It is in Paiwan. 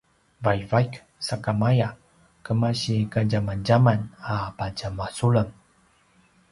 vaivaik sakamaya kemasi kadjamadjaman a patje masulem